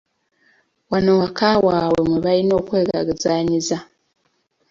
Wano waka waabwe mwe balina okwegazaanyiza .